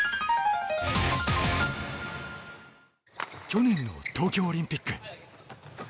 去年の東京オリンピック。